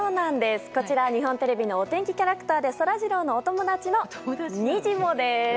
こちら、日本テレビのお天気キャラクターでそらジローのお友達のにじモです。